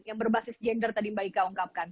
yang berbasis gender tadi mbak ika ungkapkan